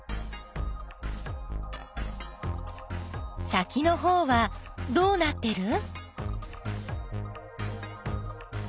先のほうはどうなってる？